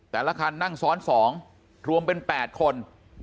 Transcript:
แต่ละคันนั่งซ้อน๒รวมเป็น๘คน